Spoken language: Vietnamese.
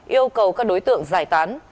yêu cầu các đối tượng giải tán